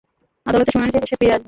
আদালতের শুনানি শেষে সে ফিরে আসবে।